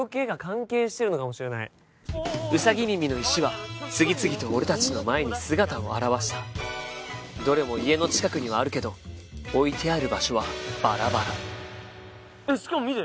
やっぱりウサギ耳の石は次々と俺達の前に姿を現したどれも家の近くにはあるけど置いてある場所はバラバラしかも見て！